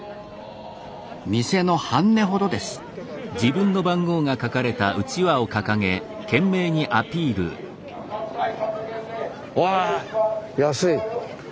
店の半値ほどですわあ安い。